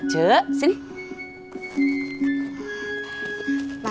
cuy teh lupa